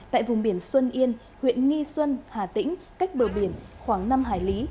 tại vùng biển xuân yên huyện nghi xuân hà tĩnh cách bờ biển khoảng năm hải lý